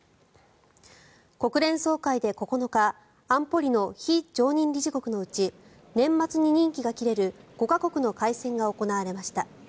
国連総会で９日安保理の非常任理事国のうち年末に任期が切れる５か国の改選が行われました。